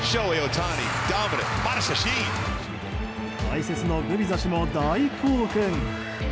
解説のグビザ氏も大興奮。